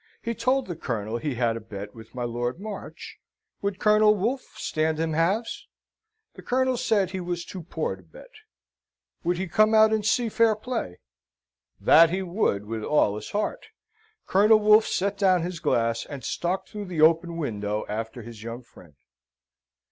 He told the Colonel he had a bet with my Lord March would Colonel Wolfe stand him halves? The Colonel said he was too poor to bet. Would he come out and see fair play? That he would with all his heart. Colonel Wolfe set down his glass, and stalked through the open window after his young friend.